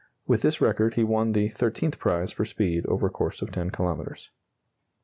(With this record he won the thirteenth prize for speed over course of 10 kilometres.)